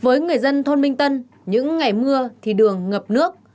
với người dân thôn minh tân những ngày mưa thì đường ngập nước